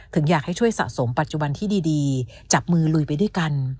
อยากให้ช่วยสะสมปัจจุบันที่ดีจับมือลุยไปด้วยกัน